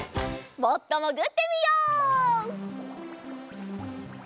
もっともぐってみよう。